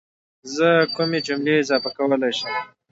زه کومې جملې اضافه کولای شم